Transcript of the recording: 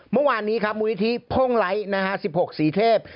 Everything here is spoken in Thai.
เมื่อวานนี้ครับมธพงไลท์